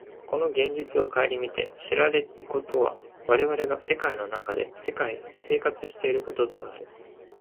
この現実を顧みて知られることは、我々が世界の中で生活しているということである。